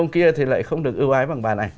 ông kia thì lại không được ưu ái bằng bà này